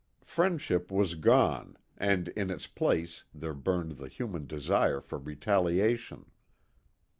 Friendship was gone and in its place there burned the human desire for retaliation.